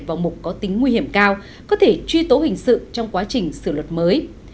vào một có tính nguy hiểm cao có thể truy tố hình sự trong quá trình xử luật mới